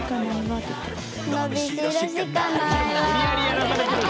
無理やりやらされてるよ。